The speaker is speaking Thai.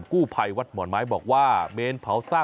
ที่จังหวัดอุตรดิษฐ์บริเวณสวนหลังบ้านต่อไปครับ